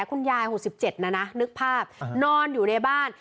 คุณยาย๖๗นะนะนึกภาพนอนอยู่ในบ้าน